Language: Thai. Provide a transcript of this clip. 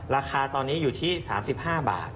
ราคาตอนนี้อยู่ที่๓๕บาท